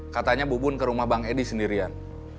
katanya bubun ke rumah bang edi sendirian